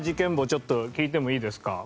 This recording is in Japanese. ちょっと聞いてもいいですか？